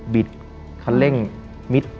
คันเร่งมิด